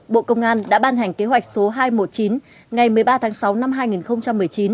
bộ công an đã ban hành kế hoạch số hai trăm một mươi chín ngày một mươi ba tháng sáu năm hai nghìn một mươi chín